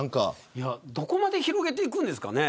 どこまで広げていくんですかね。